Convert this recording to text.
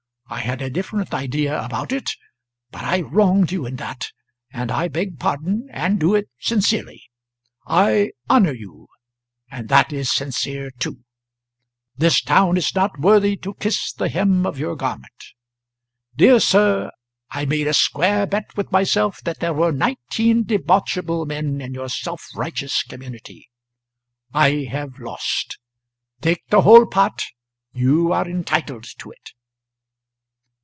I had a different idea about it, but I wronged you in that, and I beg pardon, and do it sincerely. I honour you and that is sincere too. This town is not worthy to kiss the hem of your garment. Dear sir, I made a square bet with myself that there were nineteen debauchable men in your self righteous community. I have lost. Take the whole pot, you are entitled to it."